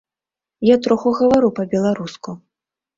Я троху гавару па-беларуску.